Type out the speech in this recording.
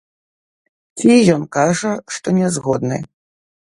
Ці ён кажа, што не згодны.